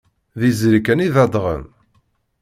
D izri kan i d adɣen.